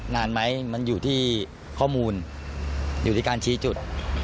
นานไหมมันอยู่ที่ข้อมูลอยู่ที่การชี้จุด